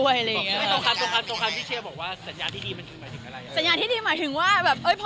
ตรงคำที่เชียวบอกว่าสัญญาณที่ดีมันถึงหมายถึงอะไร